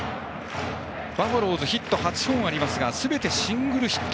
バファローズヒット８本ありますがすべてシングルヒット。